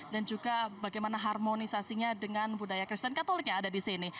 dan juga bagaimana harmonisasinya dengan budaya kristen katolik yang ada di sini